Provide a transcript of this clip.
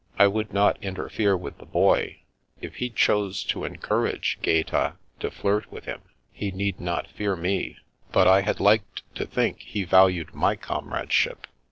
I would not interfere with the Boy; if he chose to encourage Gaeta to flirt with him, he need not fear me ; but I had liked to think he valued my comrade ship.